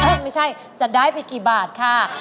ถ้าไม่ใช่จะได้ไปกี่บาทค่ะ